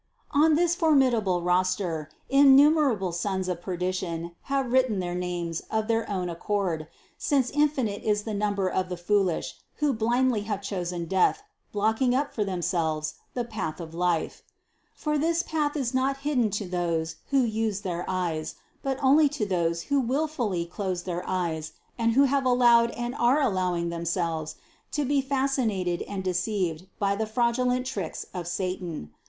On this formidable roster innumerable sons of perdition have written their names of their own accord, since infinite is the number of the foolish, who blindly have chosen death, blocking up for themselves the path of life. For this path is not hidden to those who use their eyes, but only to those who wil fully close their eyes and who have allowed and are al lowing themselves to be fascinated and deceived by the fraudulent tricks of satan.